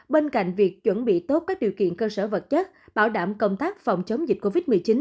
bên cạnh việc chuẩn bị tốt các điều kiện cơ sở vật chất bảo đảm công tác phòng chống dịch covid một mươi chín